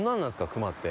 熊って。